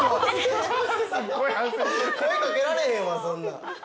声かけられへんわ、そんなん。